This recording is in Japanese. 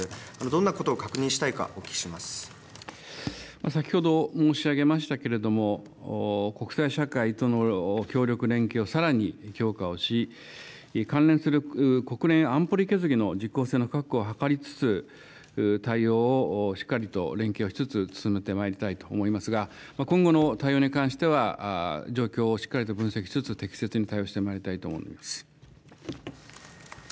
どんなことを確認したいか、お聞先ほど申しましたけれども、国際社会との協力、連携をさらに強化をし、関連する国連安保理決議の実効性の確保を図りつつ、対応をしっかりと連携をしつつ進めてまいりたいと思いますが、今後の対応に関しては、状況をしっかり分析しつつ適切に対応してまいりたいと思います。